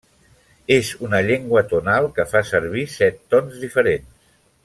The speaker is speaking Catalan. És una llengua tonal que fa servir set tons diferents.